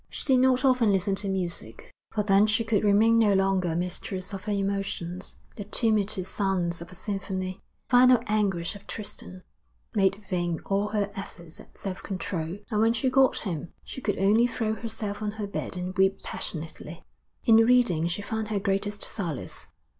She did not often listen to music, for then she could remain no longer mistress of her emotions; the tumultuous sounds of a symphony, the final anguish of Tristan, made vain all her efforts at self control; and when she got home, she could only throw herself on her bed and weep passionately. In reading she found her greatest solace.